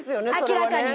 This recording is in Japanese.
明らかに。